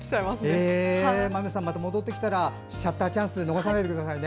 まめさん、戻ってきたらシャッターチャンス逃さないでくださいね。